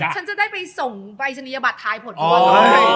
ฉันจะได้ไปส่งวัยชนิยบัตรทายผลวล